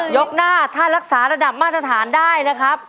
ยกหน้าถ้ารักษาระดับมาตรฐานได้นะครับ